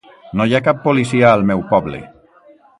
No hi ha cap policia al meu poble.